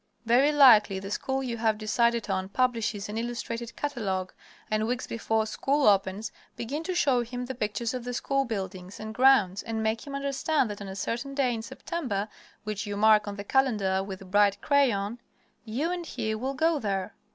Very likely the school you have decided on publishes an illustrated catalogue, and weeks before school opens begin to show him the pictures of the school buildings and grounds, and make him understand that on a certain day in September, which you mark on the calendar with bright crayon, you and he will go there.